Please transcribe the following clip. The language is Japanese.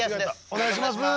お願いします。